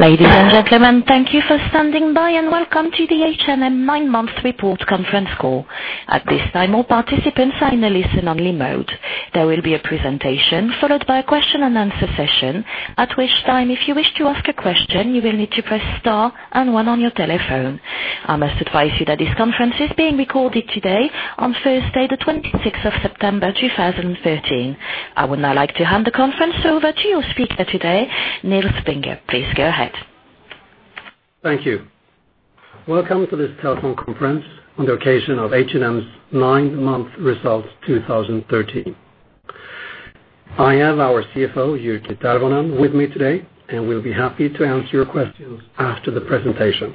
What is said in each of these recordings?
Ladies and gentlemen, thank you for standing by, and welcome to the H&M nine-month report conference call. At this time, all participants are in a listen-only mode. There will be a presentation followed by a question-and-answer session, at which time, if you wish to ask a question, you will need to press star and one on your telephone. I must advise you that this conference is being recorded today, on Thursday the 26th of September, 2013. I would now like to hand the conference over to your speaker today, Nils Vinge. Please go ahead. Thank you. Welcome to this telephone conference on the occasion of H&M's nine-month results 2013. I have our CFO, Jyrki Tervonen, with me today, and we'll be happy to answer your questions after the presentation.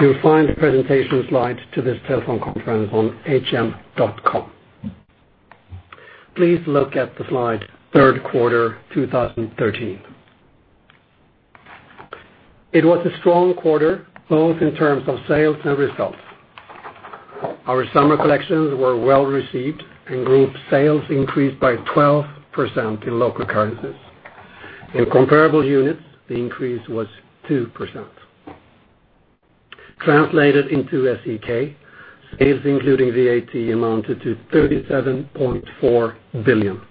You'll find the presentation slides to this telephone conference on hm.com. Please look at the slide, third quarter 2013. It was a strong quarter, both in terms of sales and results. Our summer collections were well-received, and group sales increased by 12% in local currencies. In comparable units, the increase was 2%. Translated into SEK, sales including VAT amounted to 37.4 billion.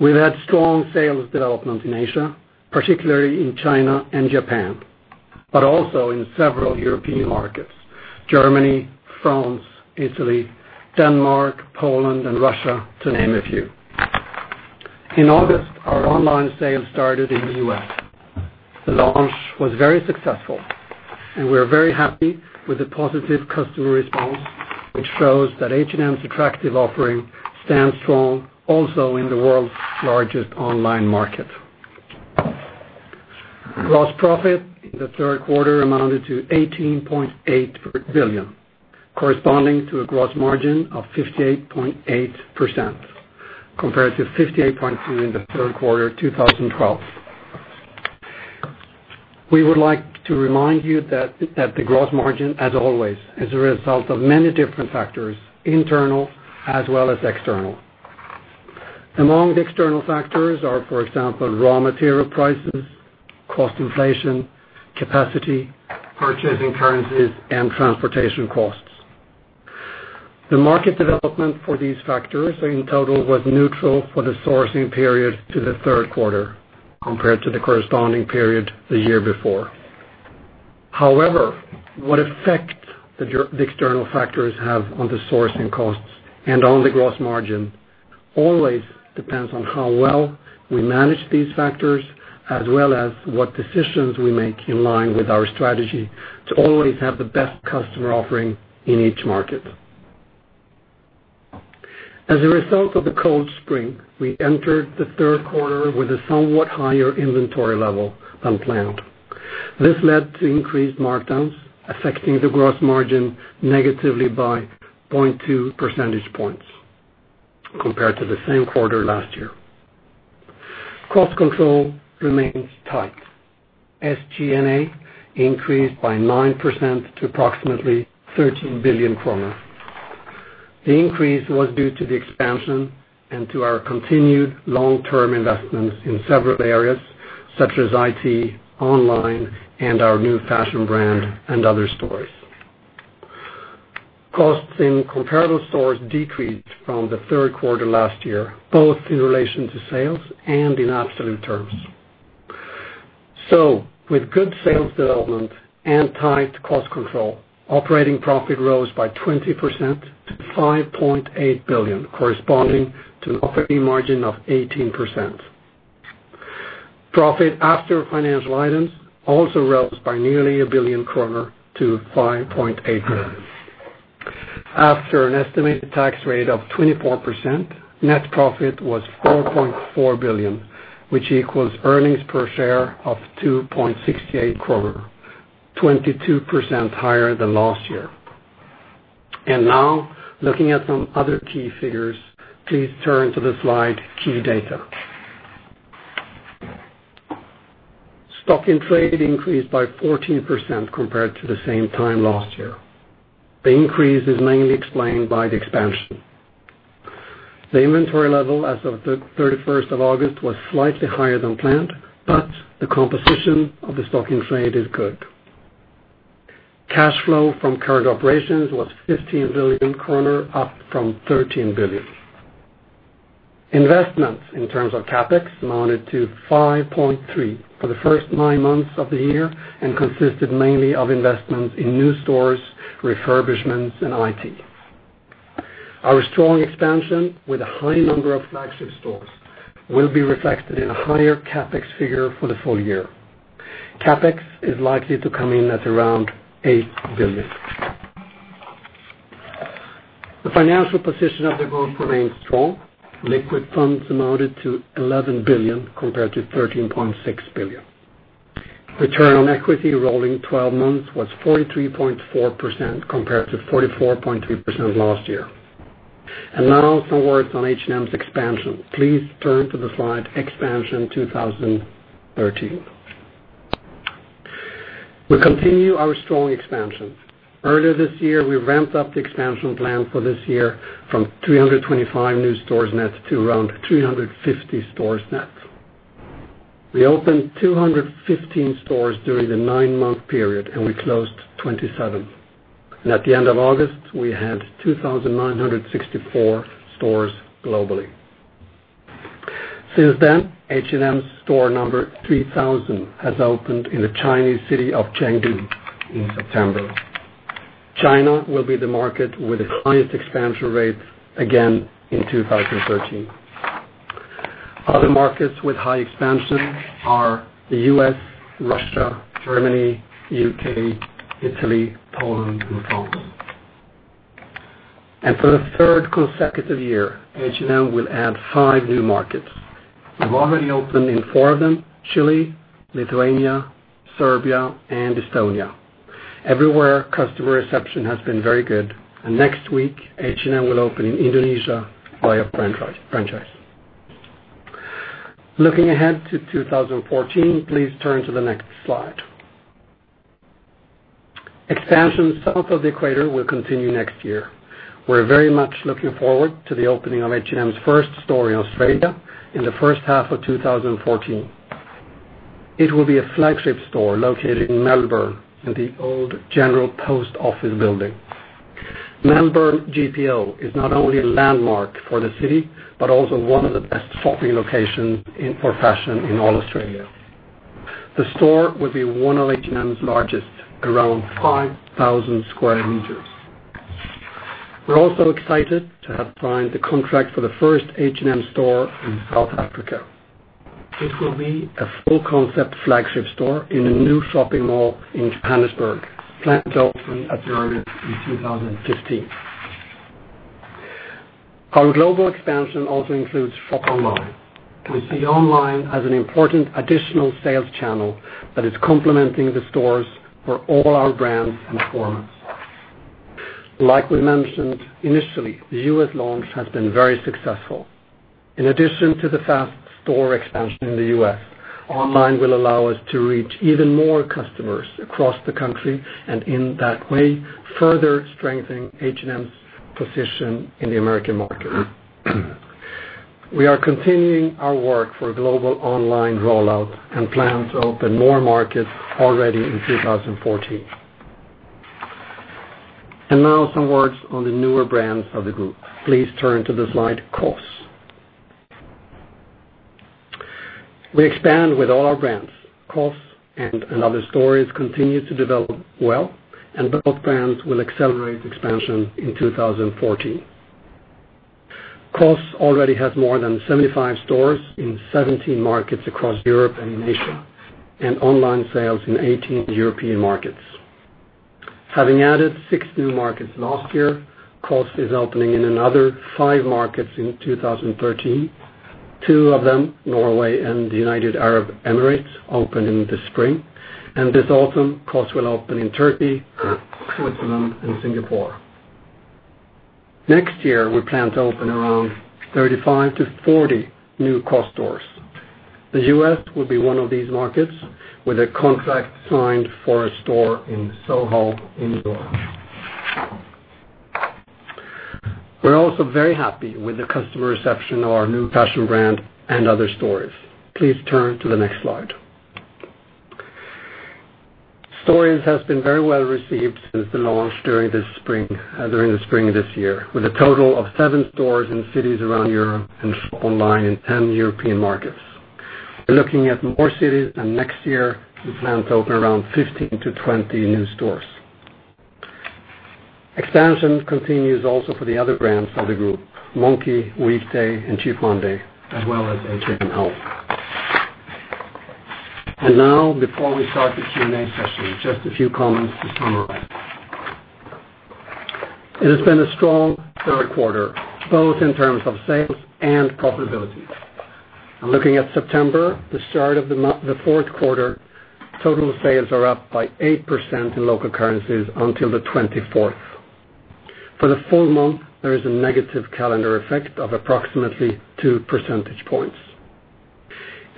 We've had strong sales development in Asia, particularly in China and Japan, but also in several European markets, Germany, France, Italy, Denmark, Poland, and Russia, to name a few. In August, our online sales started in the U.S. The launch was very successful, and we're very happy with the positive customer response, which shows that H&M's attractive offering stands strong also in the world's largest online market. Gross profit in the third quarter amounted to SEK 18.8 billion, corresponding to a gross margin of 58.8%, compared to 58.2% in the third quarter of 2012. We would like to remind you that the gross margin, as always, is a result of many different factors, internal as well as external. Among the external factors are, for example, raw material prices, cost inflation, capacity, purchasing currencies, and transportation costs. The market development for these factors in total was neutral for the sourcing period to the third quarter compared to the corresponding period the year before. However, what effect the external factors have on the sourcing costs and on the gross margin always depends on how well we manage these factors, as well as what decisions we make in line with our strategy to always have the best customer offering in each market. As a result of the cold spring, we entered the third quarter with a somewhat higher inventory level than planned. This led to increased markdowns, affecting the gross margin negatively by 0.2 percentage points compared to the same quarter last year. Cost control remains tight. SG&A increased by 9% to approximately 13 billion kronor. The increase was due to the expansion and to our continued long-term investments in several areas such as IT, online, and our new fashion brand & Other Stories. Costs in comparable stores decreased from the third quarter last year, both in relation to sales and in absolute terms. With good sales development and tight cost control, operating profit rose by 20% to 5.8 billion, corresponding to an operating margin of 18%. Profit after financial items also rose by nearly 1 billion kronor to 5.8 billion. After an estimated tax rate of 24%, net profit was 4.4 billion, which equals earnings per share of 2.68 kronor, 22% higher than last year. Now looking at some other key figures, please turn to the slide, key data. Stock in trade increased by 14% compared to the same time last year. The increase is mainly explained by the expansion. The inventory level as of the 31st of August was slightly higher than planned, but the composition of the stock in trade is good. Cash flow from current operations was 15 billion kronor, up from 13 billion. Investments in terms of CapEx amounted to 5.3 billion for the first nine months of the year and consisted mainly of investments in new stores, refurbishments, and IT. Our strong expansion with a high number of flagship stores will be reflected in a higher CapEx figure for the full year. CapEx is likely to come in at around 8 billion. The financial position of the group remains strong. Liquid funds amounted to 11 billion compared to 13.6 billion. Return on equity rolling 12 months was 43.4% compared to 44.3% last year. Now some words on H&M's expansion. Please turn to the slide, expansion 2013. We continue our strong expansion. Earlier this year, we ramped up the expansion plan for this year from 325 new stores net to around 350 stores net. We opened 215 stores during the nine-month period, and we closed 27. At the end of August, we had 2,964 stores globally. Since then, H&M's store number 3,000 has opened in the Chinese city of Chengdu in September. China will be the market with the highest expansion rate again in 2013. Other markets with high expansion are the U.S., Russia, Germany, U.K., Italy, Poland, and France. For the third consecutive year, H&M will add five new markets. We've already opened in four of them, Chile, Lithuania, Serbia, and Estonia. Everywhere, customer reception has been very good, and next week, H&M will open in Indonesia via franchise. Looking ahead to 2014, please turn to the next slide. Expansion south of the equator will continue next year. We're very much looking forward to the opening of H&M's first store in Australia in the first half of 2014. It will be a flagship store located in Melbourne in the old general post office building. Melbourne GPO is not only a landmark for the city but also one of the best shopping locations for fashion in all Australia. The store will be one of H&M's largest, around 5,000 sq m. We're also excited to have signed the contract for the first H&M store in South Africa. It will be a full concept flagship store in a new shopping mall in Johannesburg, planned to open at the earliest in 2015. Our global expansion also includes shop online, with the online as an important additional sales channel that is complementing the stores for all our brands in performance. Like we mentioned initially, the U.S. launch has been very successful. In addition to the fast store expansion in the U.S., online will allow us to reach even more customers across the country and in that way, further strengthen H&M's position in the American market. We are continuing our work for a global online rollout and plan to open more markets already in 2014. Now some words on the newer brands of the group. Please turn to the slide, COS. We expand with all our brands. COS and & Other Stories continue to develop well, and both brands will accelerate expansion in 2014. COS already has more than 75 stores in 17 markets across Europe and Asia, and online sales in 18 European markets. Having added six new markets last year, COS is opening in another five markets in 2013. Two of them, Norway and the United Arab Emirates, open in the spring. This autumn, COS will open in Turkey, Switzerland, and Singapore. Next year, we plan to open around 35-40 new COS stores. The U.S. will be one of these markets with a contract signed for a store in SoHo in New York. We're also very happy with the customer reception of our new fashion brand & Other Stories. Please turn to the next slide. Stories has been very well-received since the launch during the spring this year, with a total of seven stores in cities around Europe and online in 10 European markets. We're looking at more cities, next year, we plan to open around 15-20 new stores. Expansion continues also for the other brands of the group, Monki, Weekday, and Cheap Monday, as well as H&M Home. Now, before we start the Q&A session, just a few comments to summarize. It has been a strong third quarter, both in terms of sales and profitability. Looking at September, the start of the fourth quarter, total sales are up by 8% in local currencies until the 24th. For the full month, there is a negative calendar effect of approximately 2 percentage points.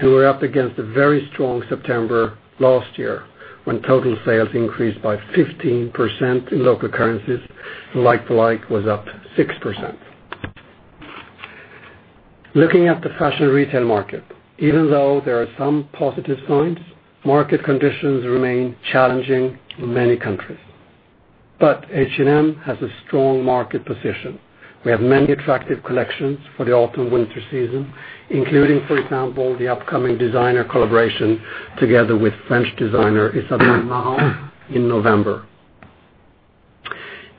We're up against a very strong September last year when total sales increased by 15% in local currencies, and like-for-like was up 6%. Looking at the fashion retail market, even though there are some positive signs, market conditions remain challenging in many countries. H&M has a strong market position. We have many attractive collections for the autumn-winter season, including, for example, the upcoming designer collaboration together with French designer, Isabel Marant in November.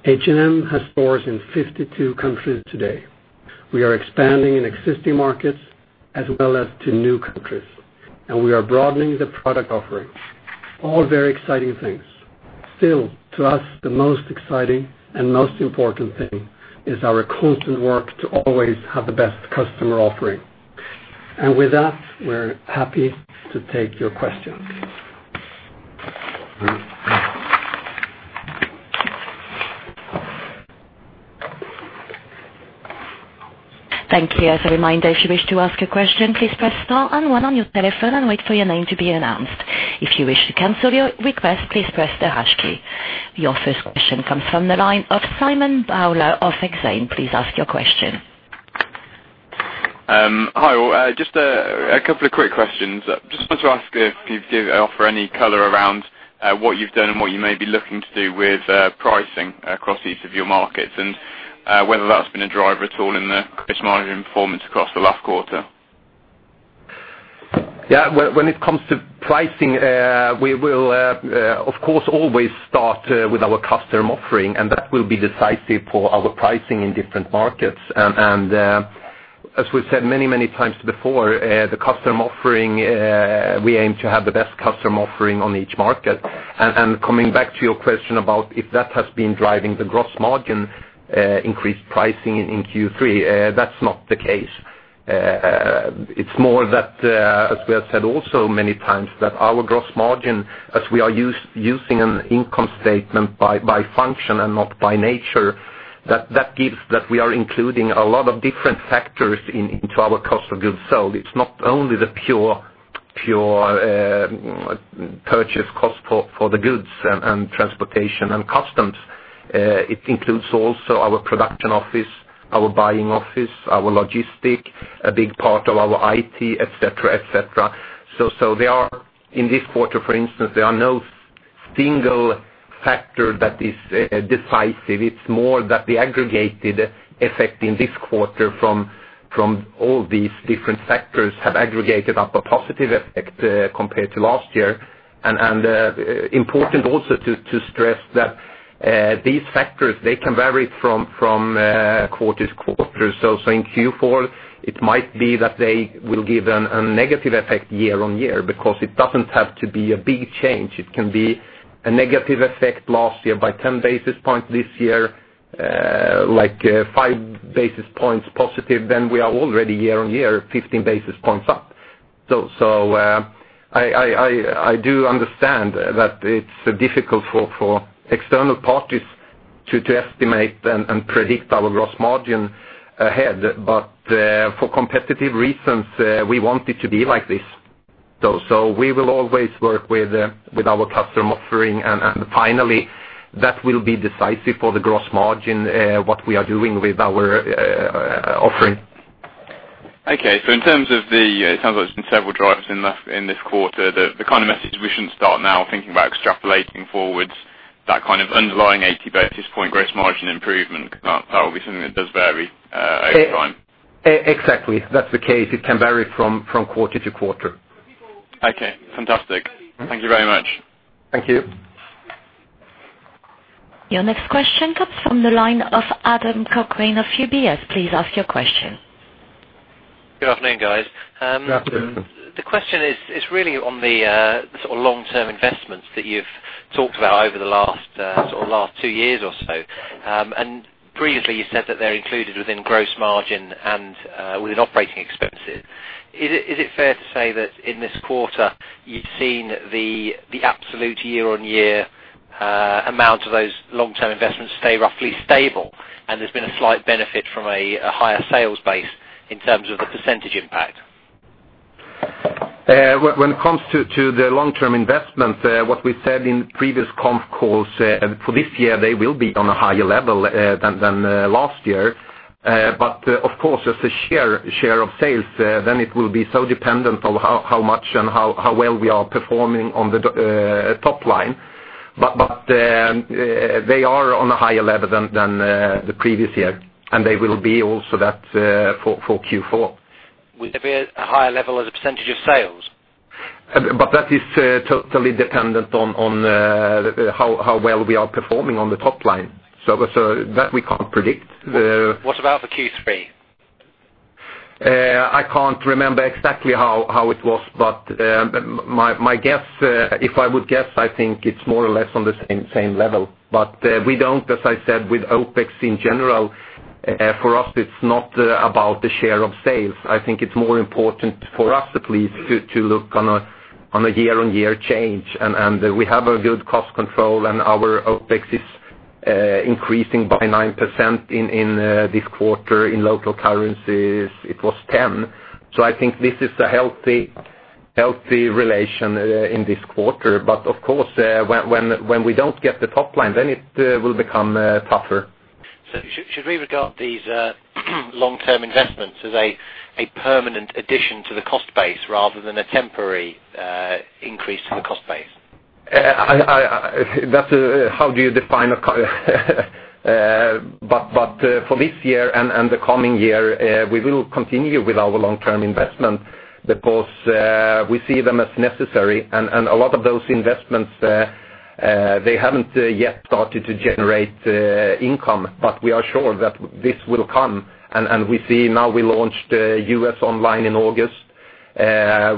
H&M has stores in 52 countries today. We are expanding in existing markets as well as to new countries, and we are broadening the product offering. All very exciting things. Still, to us, the most exciting and most important thing is our constant work to always have the best customer offering. With that, we're happy to take your questions. Thank you. As a reminder, if you wish to ask a question, please press star and one on your telephone and wait for your name to be announced. If you wish to cancel your request, please press the hash key. Your first question comes from the line of Simon Bowler of Exane. Please ask your question. Hi. Just a couple of quick questions. Just wanted to ask if you'd offer any color around what you've done and what you may be looking to do with pricing across each of your markets, and whether that's been a driver at all in the gross margin performance across the last quarter. Yeah. When it comes to pricing, we will of course, always start with our customer offering and that will be decisive for our pricing in different markets. As we've said many, many times before, we aim to have the best customer offering on each market. Coming back to your question about if that has been driving the gross margin increased pricing in Q3, that's not the case. It's more that, as we have said also many times, that our gross margin, as we are using an income statement by function and not by nature, that we are including a lot of different factors into our cost of goods sold. It's not only the pure purchase cost for the goods and transportation and customs. It includes also our production office, our buying office, our logistics, a big part of our IT, et cetera. There are, in this quarter, for instance, there are no single factor that is decisive. It's more that the aggregated effect in this quarter from all these different factors have aggregated up a positive effect, compared to last year. Important also to stress that these factors, they can vary from quarter to quarter. In Q4, it might be that they will give a negative effect year-on-year, because it doesn't have to be a big change. It can be a negative effect last year by 10 basis points this year, like 5 basis points positive, then we are already year-on-year 15 basis points up. I do understand that it's difficult for external parties to estimate and predict our gross margin ahead. For competitive reasons, we want it to be like this. We will always work with our customer offering, and finally, that will be decisive for the gross margin, what we are doing with our offering. Okay. It sounds like there's been several drivers in this quarter. The kind of message we shouldn't start now thinking about extrapolating forwards, that kind of underlying 80 basis point gross margin improvement. That will be something that does vary over time. Exactly. That's the case. It can vary from quarter to quarter. Okay. Fantastic. Thank you very much. Thank you. Your next question comes from the line of Adam Cochrane of UBS. Please ask your question. Good afternoon, guys. Good afternoon. The question is really on the long-term investments that you've talked about over the last two years or so. Previously, you said that they're included within gross margin and within operating expenses. Is it fair to say that in this quarter you've seen the absolute year-on-year amount of those long-term investments stay roughly stable, and there's been a slight benefit from a higher sales base in terms of the percentage impact? When it comes to the long-term investment, what we said in previous conf calls, for this year, they will be on a higher level than last year. Of course, as the share of sales, then it will be so dependent on how much and how well we are performing on the top line. They are on a higher level than the previous year, and they will be also that for Q4. Will they be at a higher level as a percentage of sales? That is totally dependent on how well we are performing on the top line. That we can't predict. What about for Q3? I can't remember exactly how it was, if I would guess, I think it's more or less on the same level. We don't, as I said, with OpEx in general, for us, it's not about the share of sales. I think it's more important for us at least, to look on a year-on-year change. We have a good cost control and our OpEx is increasing by 9% in this quarter. In local currencies, it was 10%. I think this is a healthy relation in this quarter. Of course, when we don't get the top line, then it will become tougher. Should we regard these long-term investments as a permanent addition to the cost base rather than a temporary increase to the cost base? How do you define? For this year and the coming year, we will continue with our long-term investment because we see them as necessary, a lot of those investments, they haven't yet started to generate income, we are sure that this will come, and we see now we launched U.S. online in August.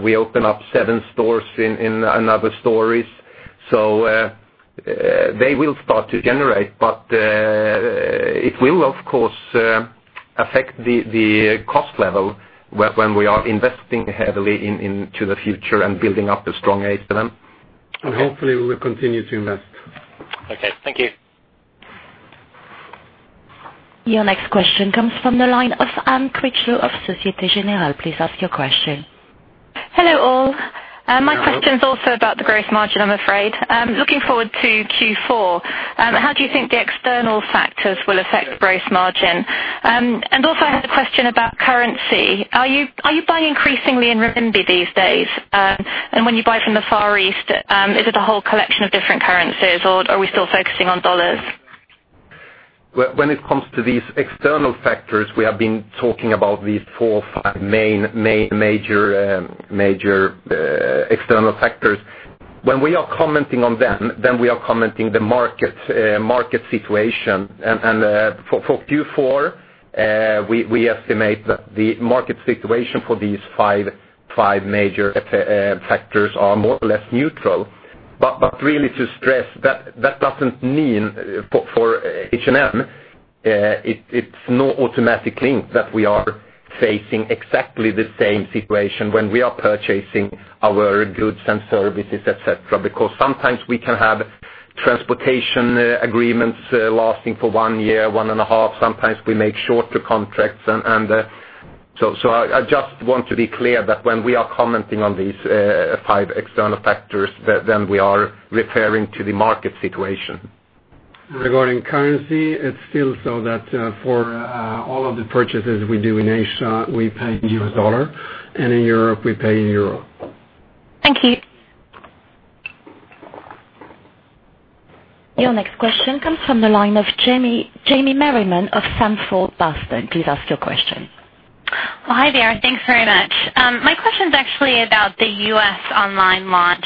We open up seven stores in & Other Stories. They will start to generate, but it will, of course, affect the cost level when we are investing heavily into the future and building up a strong H&M. Hopefully we will continue to invest. Okay, thank you. Your next question comes from the line of Anne Critchlow of Société Générale. Please ask your question. Hello all. My question is also about the gross margin, I'm afraid. Looking forward to Q4, how do you think the external factors will affect gross margin? Also, I had a question about currency. Are you buying increasingly in renminbi these days? When you buy from the Far East, is it a whole collection of different currencies, or are we still focusing on dollars? When it comes to these external factors, we have been talking about these four, five major external factors. When we are commenting on them, then we are commenting the market situation. For Q4, we estimate that the market situation for these five major factors are more or less neutral. Really to stress, that doesn't mean for H&M, it's no automatic link that we are facing exactly the same situation when we are purchasing our goods and services, et cetera. Sometimes we can have transportation agreements lasting for one year, one and a half. Sometimes we make shorter contracts. I just want to be clear that when we are commenting on these five external factors, we are referring to the market situation. Regarding currency, it's still so that for all of the purchases we do in Asia, we pay U.S. dollar, and in Europe, we pay in euro. Thank you. Your next question comes from the line of Jamie Merriman of Sanford Bernstein. Please ask your question. Well, hi there. Thanks very much. My question is actually about the U.S. online launch.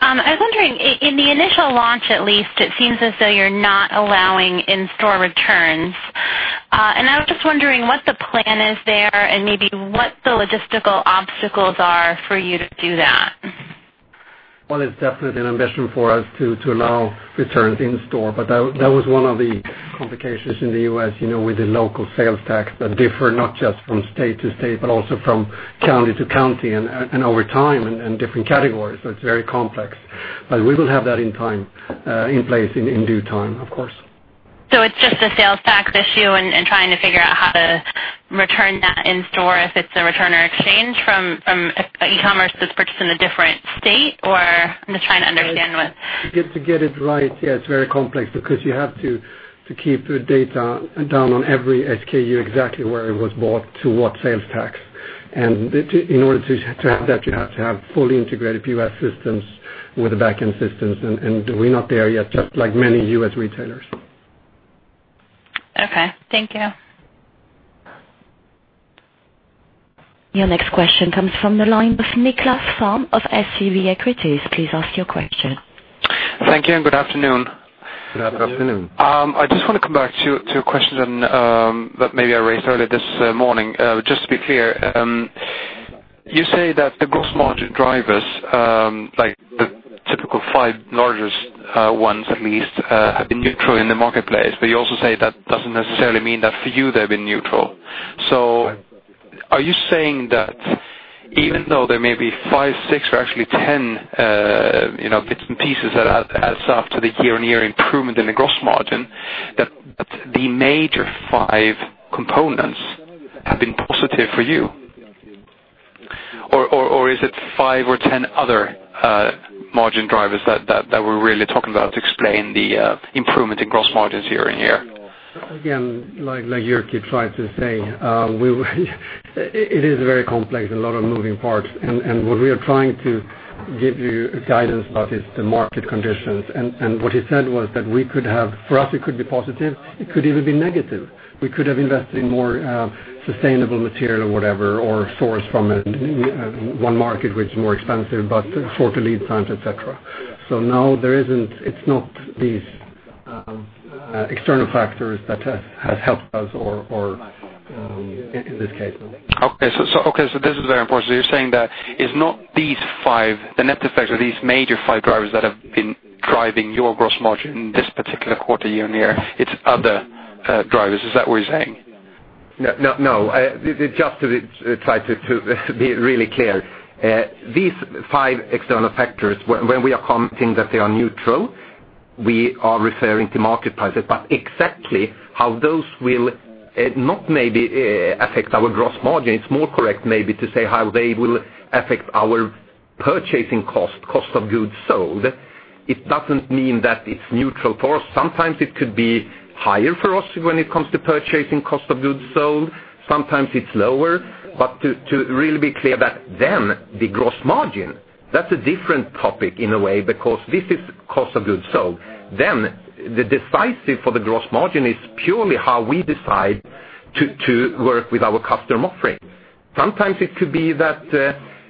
I was wondering, in the initial launch, at least, it seems as though you're not allowing in-store returns. I was just wondering what the plan is there and maybe what the logistical obstacles are for you to do that. Well, it's definitely an ambition for us to allow returns in store. That was one of the complications in the U.S. with the local sales tax that differ not just from state to state, but also from county to county and over time and different categories. It's very complex, but we will have that in place in due time, of course. It's just a sales tax issue and trying to figure out how to return that in store if it's a return or exchange from e-commerce that's purchased in a different state, or I'm just trying to understand what? To get it right, it's very complex because you have to keep the data down on every SKU, exactly where it was bought to what sales tax. In order to have that, you have to have fully integrated U.S. systems with the back-end systems, and we're not there yet, just like many U.S. retailers. Okay. Thank you. Your next question comes from the line of Nicklas Fhärm of SEB Equities. Please ask your question. Thank you. Good afternoon. Good afternoon. Good afternoon. I just want to come back to a question that maybe I raised earlier this morning. Just to be clear, you say that the gross margin drivers, like the typical five largest ones at least, have been neutral in the marketplace. You also say that doesn't necessarily mean that for you they've been neutral. Are you saying that even though there may be five, six or actually 10 bits and pieces that adds up to the year-on-year improvement in the gross margin, that the major five components have been positive for you, or is it five or 10 other margin drivers that we're really talking about to explain the improvement in gross margins year-on-year? Again, like Jyrki tried to say, it is very complex, a lot of moving parts. What we are trying to give you guidance about is the market conditions. What he said was that for us, it could be positive, it could even be negative. We could have invested in more sustainable material or whatever, or sourced from one market, which is more expensive, but shorter lead times, et cetera. No, it's not these external factors that has helped us in this case. Okay. This is very important. You're saying that it's not these five, the net effect of these major five drivers that have been driving your gross margin this particular quarter year-on-year, it's other drivers. Is that what you're saying? No. Just to try to be really clear. These five external factors, when we are commenting that they are neutral, we are referring to market prices. Exactly how those will not maybe affect our gross margin, it's more correct maybe to say how they will affect our purchasing cost of goods sold. It doesn't mean that it's neutral for us. Sometimes it could be higher for us when it comes to purchasing cost of goods sold. Sometimes it's lower. To really be clear that the gross margin, that's a different topic in a way because this is cost of goods sold. The decisive for the gross margin is purely how we decide to work with our customer offering. Sometimes it could be that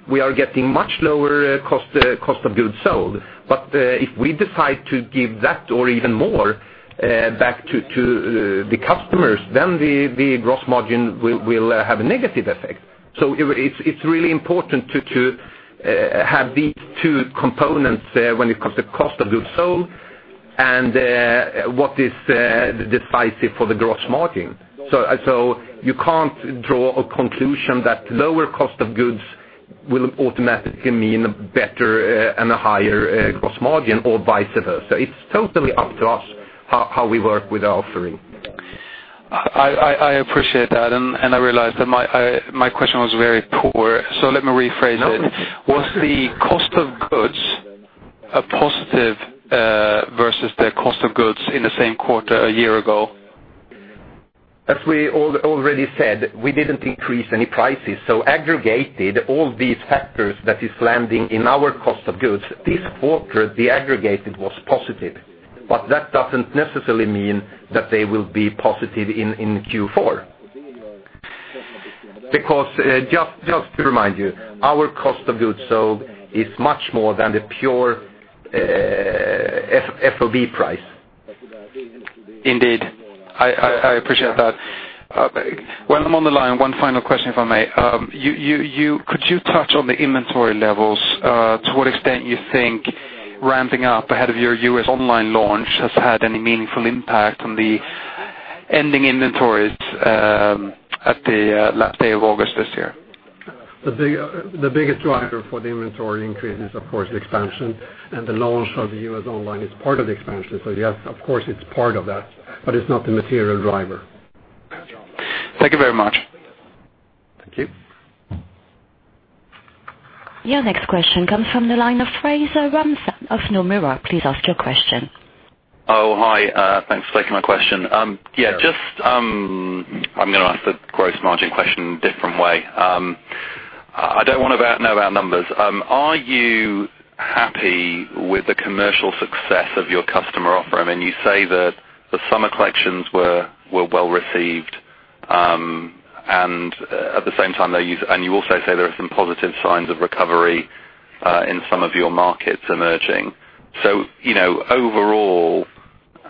we are getting much lower cost of goods sold, but if we decide to give that or even more back to the customers, then the gross margin will have a negative effect. It's really important to have these two components when it comes to cost of goods sold and what is decisive for the gross margin. You can't draw a conclusion that lower cost of goods will automatically mean a better and a higher gross margin or vice versa. It's totally up to us how we work with the offering. I appreciate that, and I realize that my question was very poor, so let me rephrase it. Was the cost of goods a positive versus the cost of goods in the same quarter a year ago? As we already said, we didn't increase any prices. Aggregated all these factors that is landing in our cost of goods this quarter, the aggregated was positive. That doesn't necessarily mean that they will be positive in Q4. Just to remind you, our cost of goods sold is much more than the pure FOB price. Indeed. I appreciate that. While I'm on the line, one final question, if I may. Could you touch on the inventory levels, to what extent you think ramping up ahead of your U.S. online launch has had any meaningful impact on the ending inventories at the last day of August this year? The biggest driver for the inventory increase is, of course, the expansion, and the launch of the U.S. online is part of the expansion. Yes, of course, it's part of that, but it's not the material driver. Thank you very much. Thank you. Your next question comes from the line of Fraser Ramzan of Nomura. Please ask your question. Hi. Thanks for taking my question. Yeah. I'm going to ask the gross margin question in a different way. I don't want to know about numbers. Are you happy with the commercial success of your customer offer? I mean, you say that the summer collections were well received, and you also say there are some positive signs of recovery in some of your markets emerging. Overall,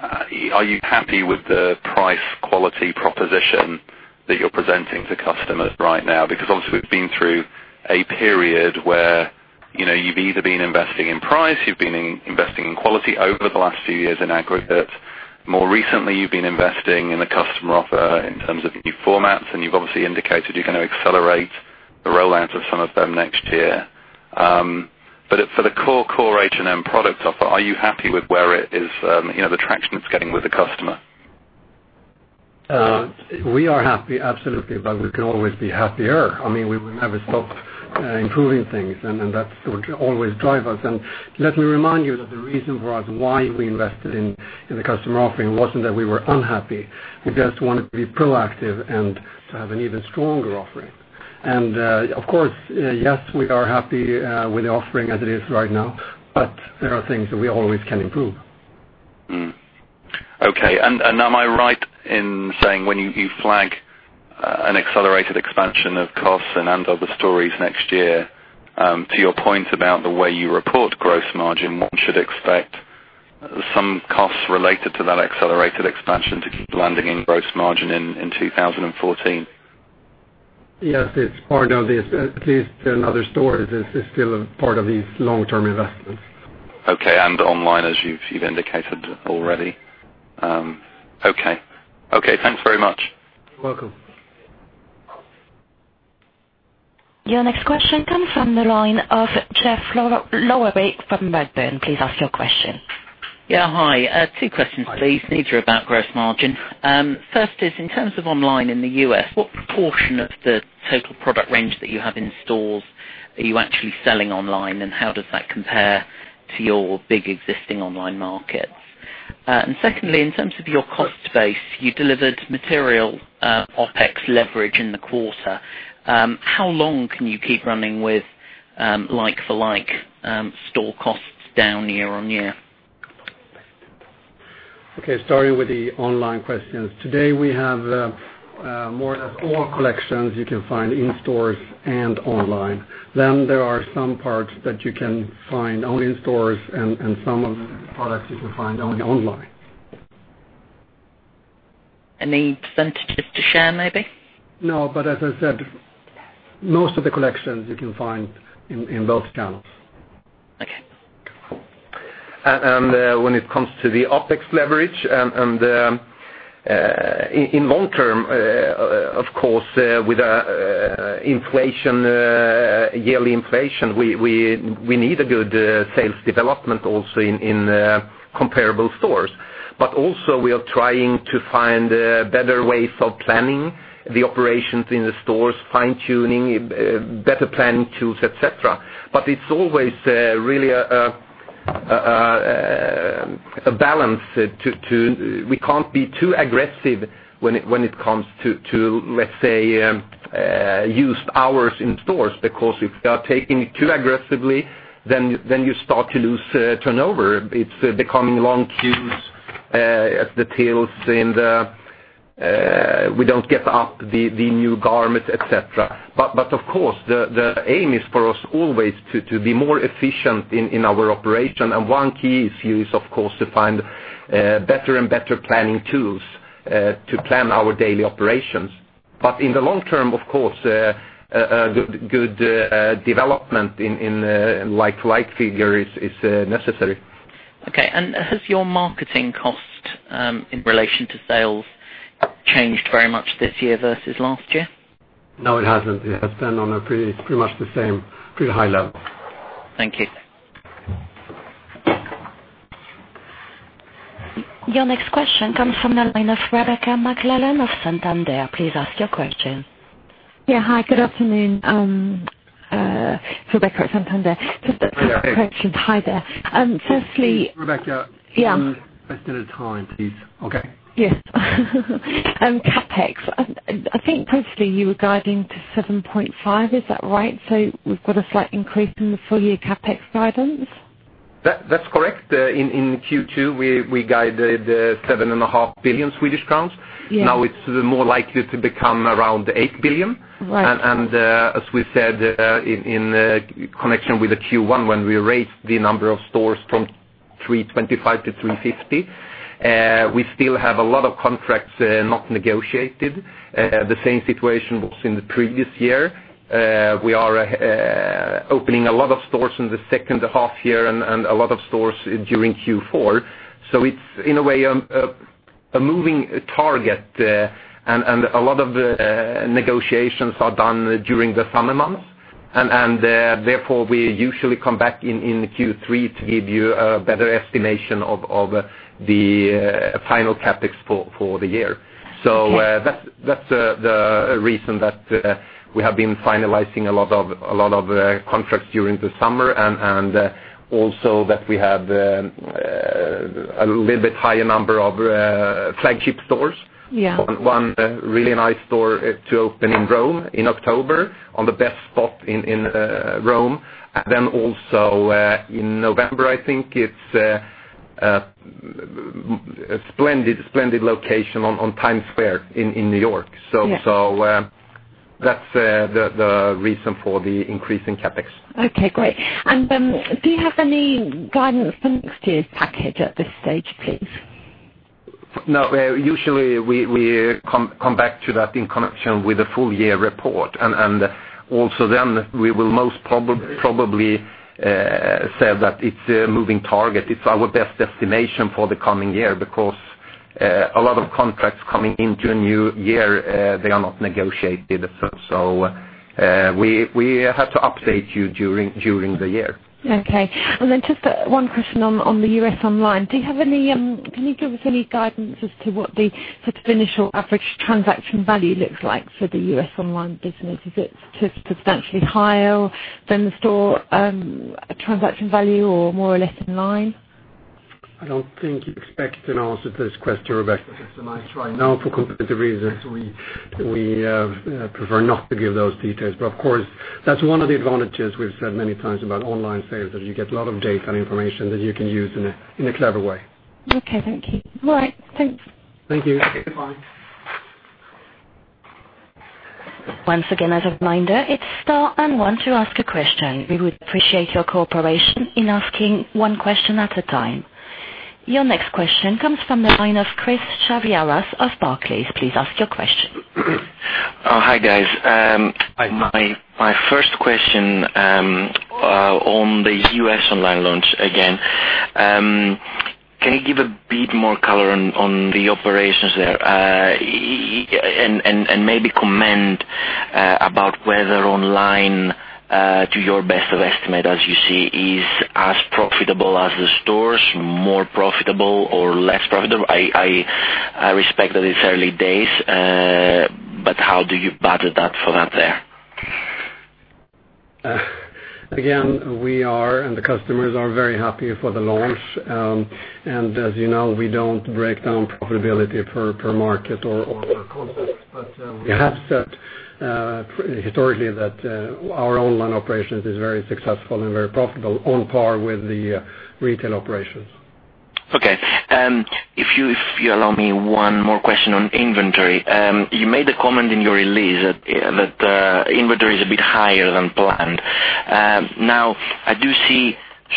are you happy with the price quality proposition that you're presenting to customers right now? Obviously we've been through a period where you've either been investing in price, you've been investing in quality over the last few years in aggregate. More recently, you've been investing in the customer offer in terms of new formats, and you've obviously indicated you're going to accelerate the rollout of some of them next year. For the core H&M product offer, are you happy with the traction it's getting with the customer? We are happy, absolutely, but we can always be happier. I mean, we will never stop improving things, that will always drive us. Let me remind you that the reason for us why we invested in the customer offering wasn't that we were unhappy. We just wanted to be proactive and to have an even stronger offering. Of course, yes, we are happy with the offering as it is right now, but there are things that we always can improve. Okay. Am I right in saying, when you flag an accelerated expansion of costs in & Other Stories next year, to your point about the way you report gross margin, one should expect some costs related to that accelerated expansion to keep landing in gross margin in 2014? Yes, it's part of this, at least in & Other Stories, it's still a part of these long-term investments. Okay. Online, as you've indicated already. Okay. Thanks very much. You're welcome. Your next question comes from the line of Geoff Lowery from Redburn. Please ask your question. Yeah. Hi. Two questions, please, neither about gross margin. First is, in terms of online in the U.S., what proportion of the total product range that you have in stores are you actually selling online, and how does that compare to your big existing online markets? Secondly, in terms of your cost base, you delivered material OpEx leverage in the quarter. How long can you keep running with like-for-like store costs down year-on-year? Okay, starting with the online questions. Today, we have more or less all collections you can find in stores and online. There are some parts that you can find only in stores and some of the products you can find only online. Any percentages to share, maybe? No, but as I said, most of the collections you can find in both channels. Okay. When it comes to the OpEx leverage, in long term, of course, with yearly inflation, we need a good sales development also in comparable stores. Also, we are trying to find better ways of planning the operations in the stores, fine-tuning, better planning tools, et cetera. It's always really a balance. We can't be too aggressive when it comes to, let's say, used hours in stores, because if they are taking it too aggressively, then you start to lose turnover. It's becoming long queues at the tills and we don't get up the new garment, et cetera. Of course, the aim is for us always to be more efficient in our operation. One key is, of course, to find better and better planning tools to plan our daily operations. In the long term, of course, good development in like-for-like figure is necessary. Okay. Has your marketing cost, in relation to sales, changed very much this year versus last year? No, it hasn't. It has been on a pretty much the same pretty high level. Thank you. Your next question comes from the line of Rebecca McClellan of Santander. Please ask your question. Yeah. Hi, good afternoon. Rebecca at Santander. Hey there. Just a quick question. Hi there. Rebecca. Yeah. Please state the time, please. Okay. Yes. CapEx, I think previously you were guiding to 7.5 billion, is that right? We've got a slight increase in the full-year CapEx guidance? That's correct. In Q2, we guided 7.5 billion Swedish crowns. Yeah. Now it's more likely to become around 8 billion. Right. As we said in connection with the Q1, when we raised the number of stores from 325 to 350, we still have a lot of contracts not negotiated. The same situation was in the previous year. We are opening a lot of stores in the second half year and a lot of stores during Q4. It's in a way, a moving target, and a lot of the negotiations are done during the summer months. Therefore, we usually come back in Q3 to give you a better estimation of the final CapEx for the year. Okay. That's the reason that we have been finalizing a lot of contracts during the summer, and also that we have a little bit higher number of flagship stores. Yeah. One really nice store to open in Rome in October, on the best spot in Rome. Also in November, I think it's a splendid location on Times Square in New York. Yeah. That's the reason for the increase in CapEx. Okay, great. Do you have any guidance for next year's CapEx at this stage, please? No. Usually, we come back to that in connection with the full year report, and also then we will most probably say that it's a moving target. It's our best estimation for the coming year, because a lot of contracts coming into a new year, they are not negotiated. We have to update you during the year. Okay. Just one question on the U.S. online. Can you give us any guidance as to what the sort of initial average transaction value looks like for the U.S. online business? Is it substantially higher than the store transaction value or more or less in line? I don't think you expect an answer to this question, Rebecca. For competitive reasons, we prefer not to give those details. Of course, that's one of the advantages we've said many times about online sales, that you get a lot of data and information that you can use in a clever way. Okay, thank you. All right, thanks. Thank you. Goodbye. Once again, as a reminder, it's star and one to ask a question. We would appreciate your cooperation in asking one question at a time. Your next question comes from the line of Chris Chaviaras of Barclays. Please ask your question. Oh, hi guys. Hi. My first question on the U.S. online launch again. Maybe comment about whether online, to your best of estimate, as you see, is as profitable as the stores, more profitable, or less profitable? I respect that it's early days, but how do you budget that for that there? Again, we are and the customers are very happy for the launch. As you know, we don't break down profitability per market or per concept. We have said historically that our online operations is very successful and very profitable, on par with the retail operations. Okay. If you allow me one more question on inventory. You made a comment in your release that inventory is a bit higher than planned. Now I do see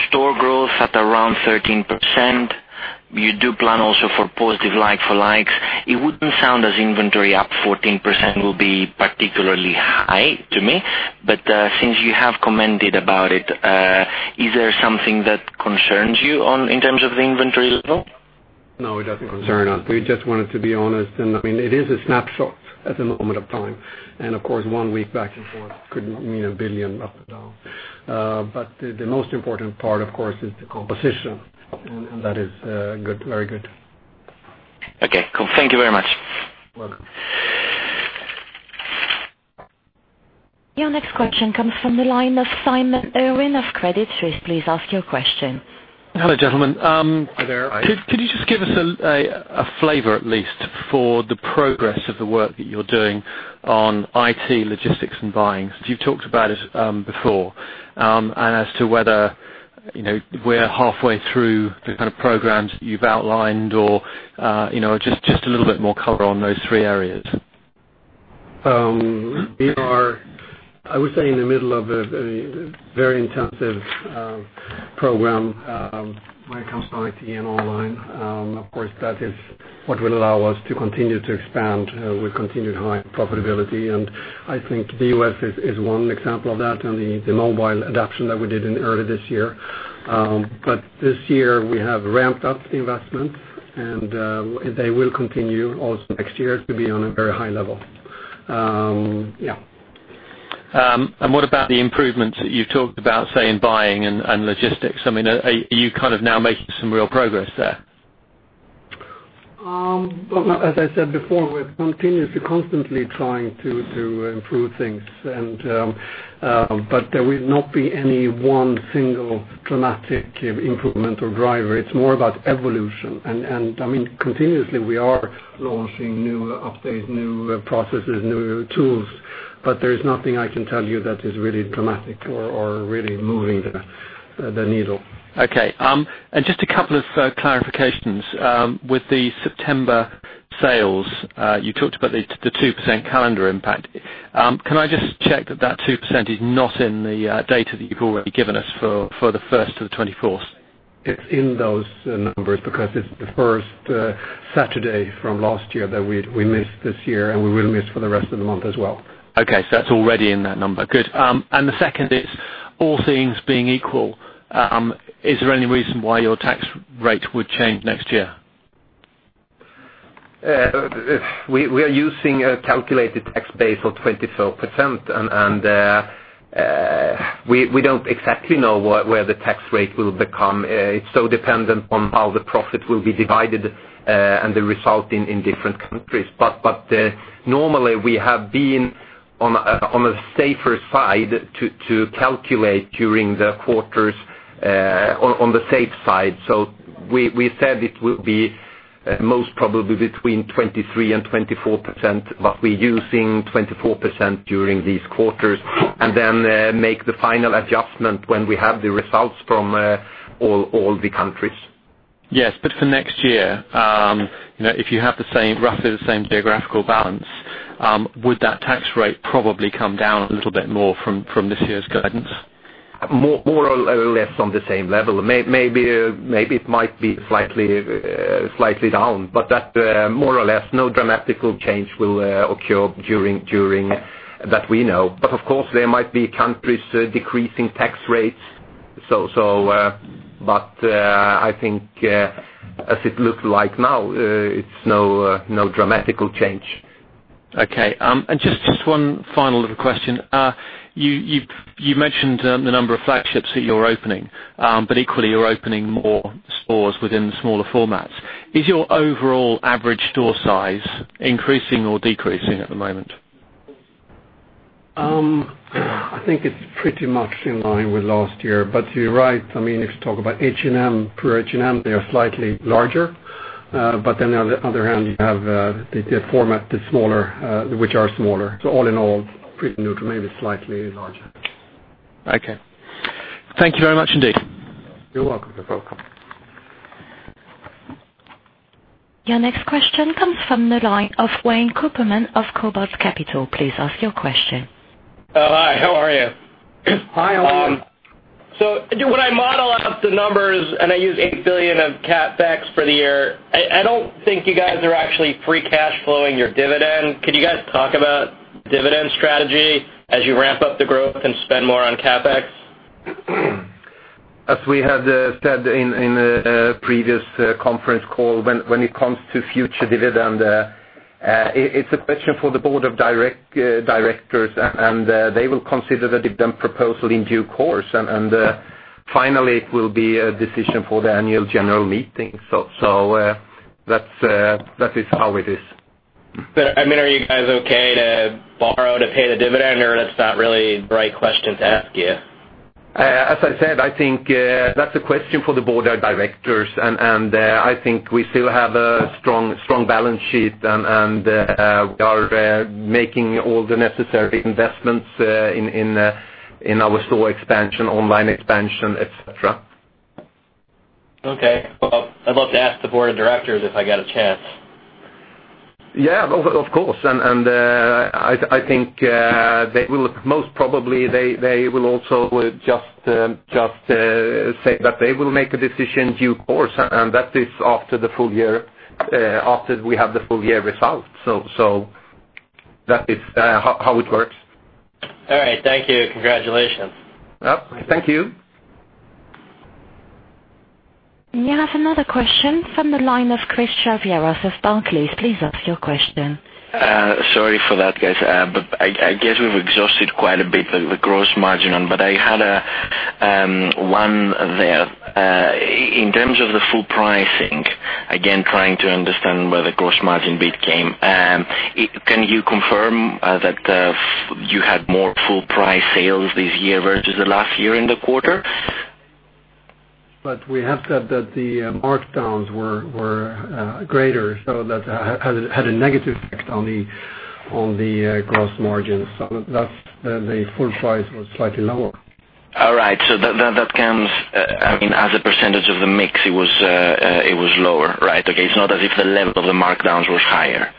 store growth at around 13%. You do plan also for positive like-for-like. It wouldn't sound as inventory up 14% will be particularly high to me. Since you have commented about it, is there something that concerns you in terms of the inventory level? No, it doesn't concern us. We just wanted to be honest, it is a snapshot at a moment of time. Of course, one week back and forth could not mean 1 billion up and down. The most important part, of course, is the composition, and that is very good. Okay, cool. Thank you very much. Welcome. Your next question comes from the line of Simon Irwin of Credit Suisse. Please ask your question. Hello, gentlemen. Hi there. Hi. Could you just give us a flavor at least for the progress of the work that you're doing on IT, logistics, and buying? You've talked about it before, and as to whether we're halfway through the kind of programs you've outlined or just a little bit more color on those three areas. We are, I would say, in the middle of a very intensive program, when it comes to IT and online. Of course, that is what will allow us to continue to expand with continued high profitability, and I think the U.S. is one example of that, and the mobile adaption that we did in earlier this year. This year we have ramped up the investments, and they will continue also next year to be on a very high level. Yeah. What about the improvements that you've talked about, say, in buying and logistics? Are you now making some real progress there? Well, as I said before, we're continuously, constantly trying to improve things, but there will not be any one single dramatic improvement or driver. It's more about evolution. Continuously, we are launching new updates, new processes, new tools, but there's nothing I can tell you that is really dramatic or really moving the needle. Okay. Just a couple of clarifications. With the September sales, you talked about the 2% calendar impact. Can I just check that that 2% is not in the data that you've already given us for the 1st to the 24th? It's in those numbers because it's the first Saturday from last year that we missed this year, and we will miss for the rest of the month as well. Okay, that's already in that number. Good. The second is, all things being equal, is there any reason why your tax rate would change next year? We are using a calculated tax base of 24%, and we don't exactly know where the tax rate will become. It's so dependent on how the profit will be divided and the result in different countries. Normally, we have been on a safer side to calculate during the quarters on the safe side. We said it will be most probably between 23% and 24%, but we're using 24% during these quarters, and then make the final adjustment when we have the results from all the countries. Yes. For next year, if you have roughly the same geographical balance, would that tax rate probably come down a little bit more from this year's guidance? More or less on the same level. Maybe it might be slightly down, but that more or less, no dramatic change will occur during that we know. Of course, there might be countries decreasing tax rates. I think as it looks like now, it's no dramatic change. Okay. Just one final little question. You mentioned the number of flagships that you're opening, but equally, you're opening more stores within the smaller formats. Is your overall average store size increasing or decreasing at the moment? I think it's pretty much in line with last year. You're right, if you talk about H&M per H&M, they are slightly larger. On the other hand, you have the format which are smaller. All in all, pretty neutral, maybe slightly larger. Okay. Thank you very much indeed. You're welcome, Simon. Your next question comes from the line of Wayne Cooperman of Cobalt Capital. Please ask your question. Oh, hi. How are you? Hi, Wayne. When I model out the numbers and I use 8 billion of CapEx for the year, I don't think you guys are actually free cash flowing your dividend. Could you guys talk about dividend strategy as you ramp up the growth and spend more on CapEx? As we have said in a previous conference call, when it comes to future dividend, it's a question for the Board of Directors, and they will consider the dividend proposal in due course. Finally, it will be a decision for the annual general meeting. That is how it is. Are you guys okay to borrow to pay the dividend, or that's not really the right question to ask you? As I said, I think that's a question for the Board of Directors. I think we still have a strong balance sheet, and we are making all the necessary investments in our store expansion, online expansion, et cetera. Okay. Well, I'd love to ask the Board of Directors if I get a chance. Yeah, of course. I think most probably they will also just say that they will make a decision due course, and that is after we have the full year results. That is how it works. All right. Thank you. Congratulations. Thank you. We have another question from the line of Chris Chaviaras of Barclays. Please ask your question. Sorry for that, guys. I guess we've exhausted quite a bit the gross margin. I had one there. In terms of the full pricing, again, trying to understand where the gross margin bit came. Can you confirm that you had more full price sales this year versus the last year in the quarter? We have said that the markdowns were greater, that had a negative effect on the gross margins. The full price was slightly lower. All right. That comes as a percentage of the mix, it was lower. Right? Okay. It's not as if the level of the markdowns was higher.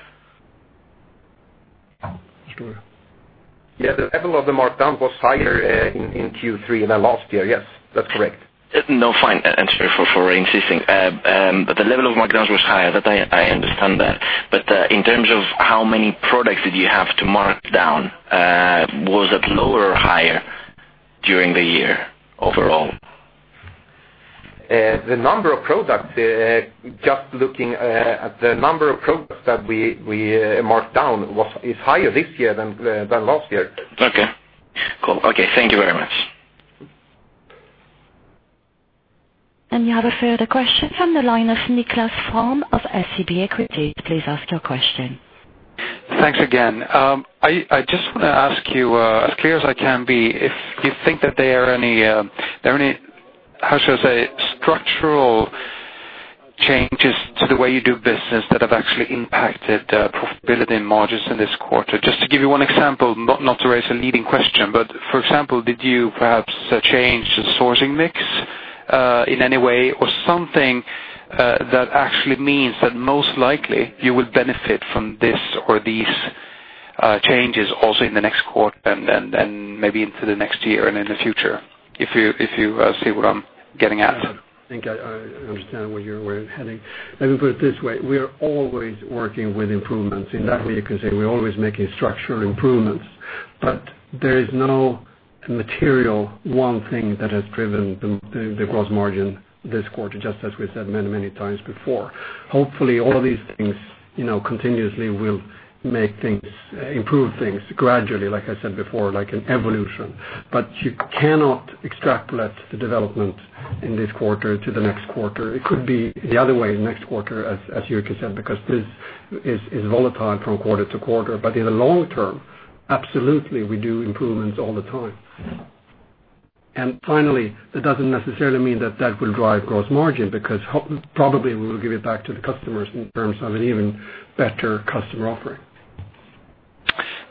Sure. Yeah. The level of the markdown was higher in Q3 than last year. Yes, that's correct. No, fine. Sorry for re-insisting. The level of markdowns was higher. That I understand that. In terms of how many products did you have to mark down, was it lower or higher during the year overall? The number of products, just looking at the number of products that we marked down is higher this year than last year. Okay, cool. Okay, thank you very much. Any other further question from the line of Nicklas Fhärm of SEB Equity, please ask your question. Thanks again. I just want to ask you, as clear as I can be, if you think that there are any, how shall I say, structural changes to the way you do business that have actually impacted profitability and margins in this quarter? Just to give you one example, not to raise a leading question, but for example, did you perhaps change the sourcing mix in any way or something that actually means that most likely you will benefit from this or these changes also in the next quarter and then maybe into the next year and in the future, if you see what I'm getting at? I think I understand where you're heading. Let me put it this way. We are always working with improvements. In that way, you can say we're always making structural improvements, but there is no material one thing that has driven the gross margin this quarter, just as we said many times before. Hopefully all of these things continuously will improve things gradually, like I said before, like an evolution. You cannot extrapolate the development in this quarter to the next quarter. It could be the other way next quarter, as Jyrki said, because this is volatile from quarter to quarter. In the long term, absolutely, we do improvements all the time. Finally, that doesn't necessarily mean that that will drive gross margin because probably we will give it back to the customers in terms of an even better customer offering.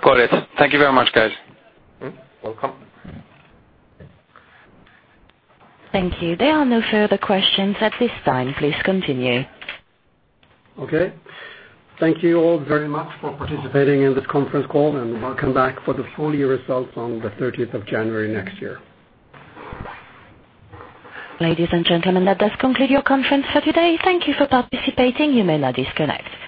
Got it. Thank you very much, guys. Welcome. Thank you. There are no further questions at this time. Please continue. Okay. Thank you all very much for participating in this conference call, and welcome back for the full year results on the 30th of January next year. Ladies and gentlemen, that does conclude your conference for today. Thank you for participating. You may now disconnect.